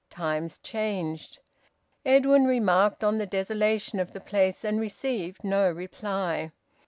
Times changed. Edwin remarked on the desolation of the place and received no reply.